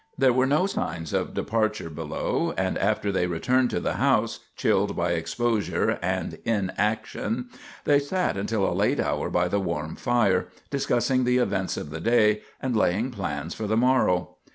There were no signs of departure below, and after they returned to the house, chilled by exposure and inaction, they sat until a late hour by the warm fire, discussing the events of the day and laying plans for the morrow.